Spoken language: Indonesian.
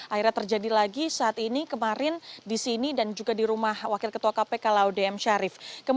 akhirnya terjadi lagi saat ini kemarin di sini dan juga di rumah wakil ketua kpk laude m syarif